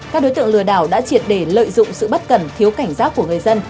các đối tượng lừa đảo đã triệt để lợi dụng sự bất cần thiếu cảnh giác của người dân